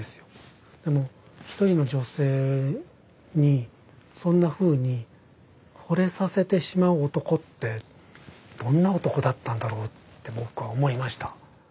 でも一人の女性にそんなふうにほれさせてしまう男ってどんな男だったんだろうって僕は思いました。